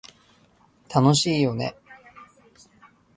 楽しいよね